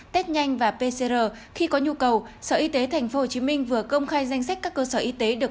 test nhanh và pcr khi có nhu cầu sở y tế tp hcm vừa công khai danh sách các cơ sở y tế được